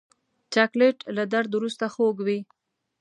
چاکلېټ له درد وروسته خوږ وي.